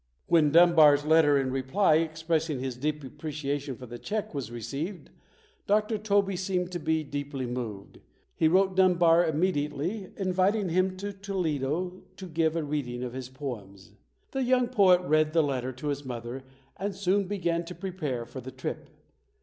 When Dunbar's letter in reply, expressing his deep appreciation for the check, was received, Dr. Tobey seemed to be deeply moved. He wrote Dunbar immediately inviting him to Toledo to give a reading of his poems. The young poet read the letter to his mother and soon began to prepare for the trip.